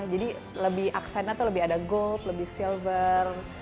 jadi lebih aksennya itu lebih ada gold lebih silver